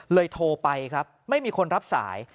เลยโทรไปไม่มีคนรับสาย